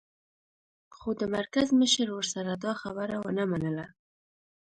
خو د مرکز مشر ورسره دا خبره و نه منله